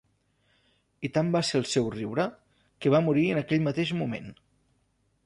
I tant va ser el seu riure, que va morir en aquell mateix moment.